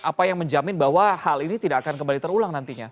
apa yang menjamin bahwa hal ini tidak akan kembali terulang nantinya